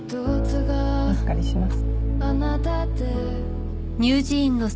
お預かりします。